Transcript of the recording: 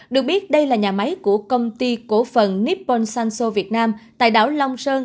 được biết đây là nhà máy của công ty cổ phần nippon sancho việt nam tại đảo long son